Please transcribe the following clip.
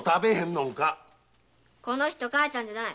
この人母ちゃんじゃない。